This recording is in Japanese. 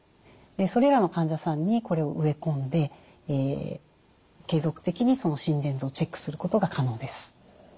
それらの患者さんにこれを植え込んで継続的に心電図をチェックすることが可能です。